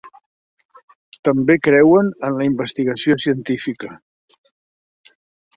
També creuen en la investigació científica.